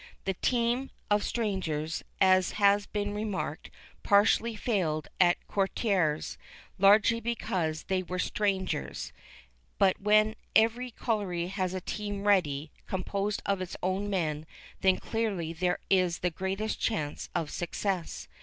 The team of strangers, as has been remarked, partially failed at Courrières, largely because they were strangers, but when every colliery has a team ready, composed of its own men, then clearly there is the greatest chance of success.